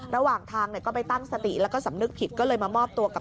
ระหว่างทางก็ไปตั้งสติแล้วก็สำนึกผิดก็เลยมามอบตัวกับ